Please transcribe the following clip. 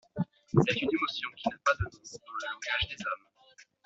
C'est une émotion qui n'a point de nom dans le langage des hommes.